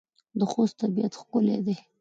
د خوست طبيعت ښکلی دی.